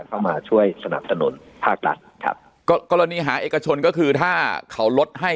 เข้ามาช่วยสนับสนุนภาครัฐครับก็กรณีหาเอกชนก็คือถ้าเขาลดให้